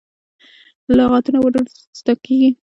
لغتونه ورو زده کېږي.